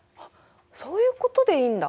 そういうことでいいんだ。